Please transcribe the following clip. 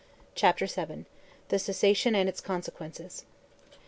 CHAPTER VII. THE CESSATION AND ITS CONSEQUENCES.